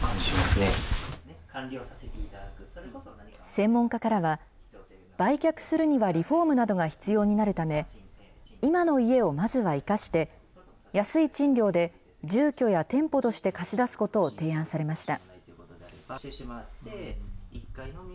専門家からは、売却するにはリフォームなどが必要になるため、今の家をまずは生かして、安い賃料で、住居や店舗として貸し出すことを提案されました。